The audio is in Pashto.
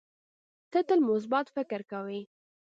ته تل مثبت فکر کوې.